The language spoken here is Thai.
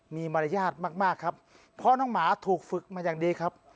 มีมารยาทมากมากครับเพราะน้องหมาถูกฝึกมาอย่างดีครับ